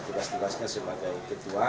tugas tugasnya sebagai ketua